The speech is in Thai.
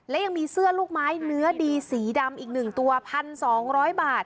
และยังมีเสื้อลูกไม้เนื้อดีสีดำอีก๑ตัว๑๒๐๐บาท